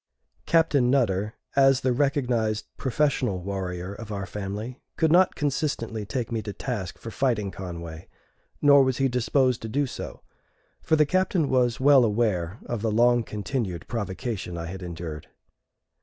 Captain Nutter, as the recognized professional warrior of our family, could not consistently take me to task for fighting Conway; nor was he disposed to do so; for the Captain was well aware of the long continued provocation I had endured.